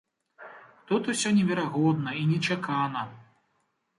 Тут усё неверагодна і нечакана.